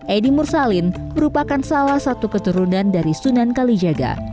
edi mursalin merupakan salah satu keturunan dari sunan kalijaga